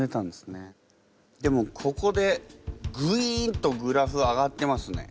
でもここでグインとグラフ上がってますね。